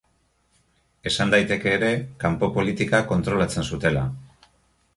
Esan daiteke ere, kanpo politika kontrolatzen zutela.